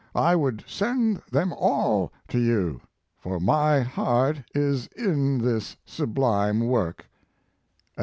I would send them all to you, for my heart is in this sublime work.